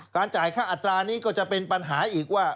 จ่ายค่าอัตรานี้ก็จะเป็นปัญหาอีกว่า